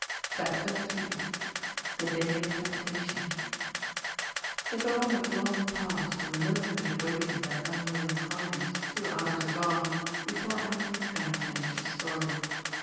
CHAPTER III THE DAY OF TEMPTATION THE dawn had long passed and the milkmen had awakened their unwilling clients two hours agone before Anthony Trent finished his story.